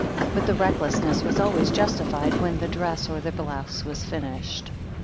But the recklessness was always justified when the dress or the blouse was finished.